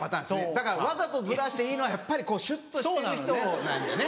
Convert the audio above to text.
だからわざとずらしていいのはやっぱりこうシュっとしてる人なんやね。